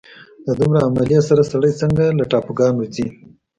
د دومره عملې سره سړی څرنګه له ټاپوګانو ځي.